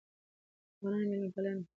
د افغانانو مېلمه پالنه په نړۍ کې مشهوره ده.